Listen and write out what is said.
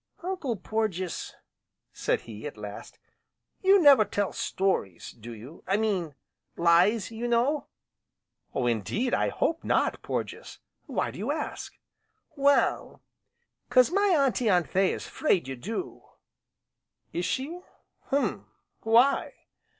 "Uncle Porges," said he, at last, "you never tell stories, do you? I mean lies, you know." "Indeed, I hope not, Porges, why do you ask?" "Well, 'cause my Auntie Anthea's 'fraid you do." "Is she hum! Why?"